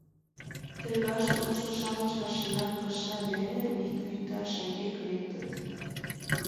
Тергаш толшо-шамыч машина кыша дене вик вӱта шеҥгек лектыт.